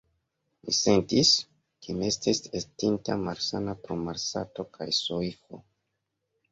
Mi sentis, ke mi estis estinta malsana pro malsato kaj soifo.